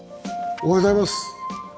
おはようございます。